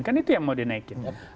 kan itu yang mau dinaikin